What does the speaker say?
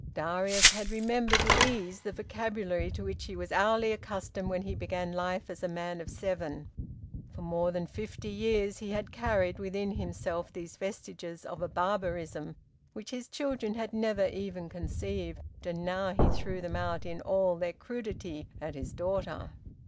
Darius had remembered with ease the vocabulary to which he was hourly accustomed when he began life as a man of seven. For more than fifty years he had carried within himself these vestiges of a barbarism which his children had never even conceived, and now he threw them out in all their crudity at his daughter.